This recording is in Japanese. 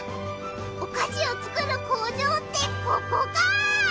おかしをつくる工場ってここか！